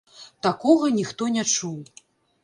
Такога ніхто не чуў!